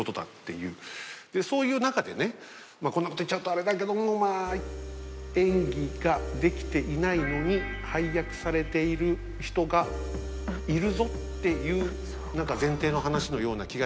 そういう中でこんなこと言っちゃうとあれだけど演技ができていないのに配役されている人がいるぞっていう前提の話のような気がして。